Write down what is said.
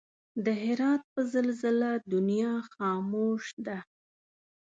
د هرات په زلزله دنيا خاموش ده